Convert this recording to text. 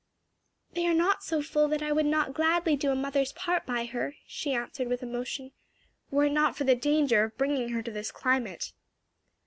"They are not so full that I would not gladly do a mother's part by her," she answered with emotion, "were it not for the danger of bringing her to this climate."